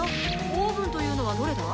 オーブンというのはどれだ？